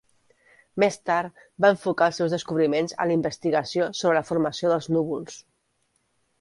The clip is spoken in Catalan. Més tard va enfocar els seus descobriments a la investigació sobre la formació dels núvols.